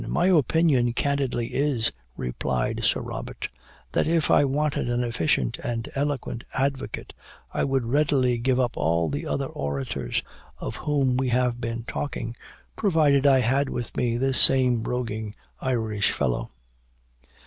"My opinion candidly is," replied Sir Robert, "that if I wanted an efficient and eloquent advocate, I would readily give up all the other orators of whom we have been talking, provided I had with me this same broguing Irish fellow.'"